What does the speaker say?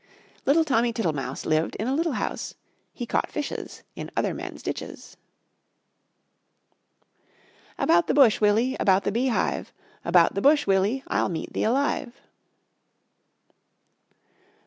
Little Tommy Tittlemouse Lived in a little house; He caught fishes In other men's ditches. About the bush, Willie, about the bee hive, About the bush, Willie, I'll meet thee alive.